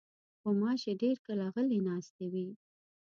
غوماشې ډېر کله غلې ناستې وي.